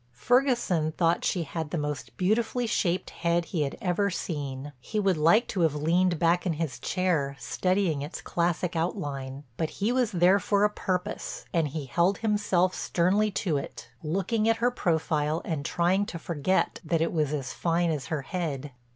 Ferguson thought she had the most beautifully shaped head he had ever seen. He would like to have leaned back in his chair studying its classic outline. But he was there for a purpose and he held himself sternly to it, looking at her profile and trying to forget that it was as fine as her head.